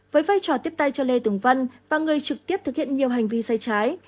với vai trò tiếp tay cho lê tùng văn và người trực tiếp thực hiện nhiều hành vi sai trái